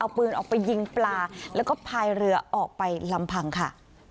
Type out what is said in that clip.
เอาปืนออกไปยิงปลาแล้วก็พายเรือออกไปลำพังค่ะ